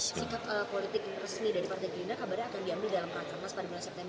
sikap politik resmi dari partai gerindra kabarnya akan diambil dalam rakernas pada bulan september